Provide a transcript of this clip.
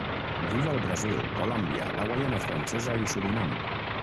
Viu al Brasil, Colòmbia, la Guaiana Francesa i Surinam.